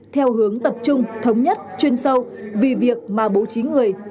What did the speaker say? theo hướng tập trung thống nhất chuyên sâu vì việc mà bố trí người